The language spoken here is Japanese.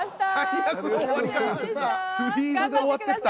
フリーズで終わってった。